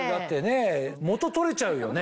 元取れちゃうよね。